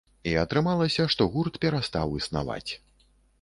І атрымалася, што гурт перастаў існаваць.